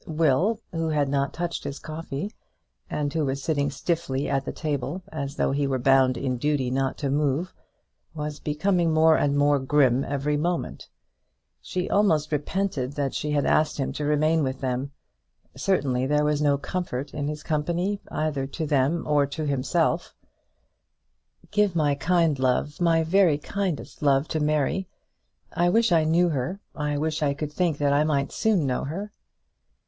Will, who had not touched his coffee, and who was sitting stiffly at the table as though he were bound in duty not to move, was becoming more and more grim every moment. She almost repented that she had asked him to remain with them. Certainly there was no comfort in his company, either to them or to himself. "How long shall you remain in town, Will, before you go down to Plaistow?" she asked. "One day," he replied. "Give my kind love, my very kindest love to Mary. I wish I knew her. I wish I could think that I might soon know her."